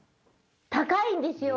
高いですよ。